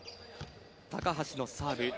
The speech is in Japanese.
高橋のサーブ。